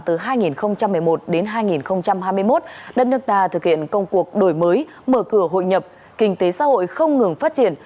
từ hai nghìn một mươi một đến hai nghìn hai mươi một đất nước ta thực hiện công cuộc đổi mới mở cửa hội nhập kinh tế xã hội không ngừng phát triển